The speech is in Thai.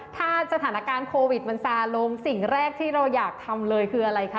ถ้าสถานการณ์โควิดมันซาลงสิ่งแรกที่เราอยากทำเลยคืออะไรคะ